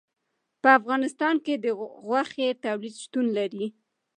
په افغانستان کې د غوښې تولید شتون لري.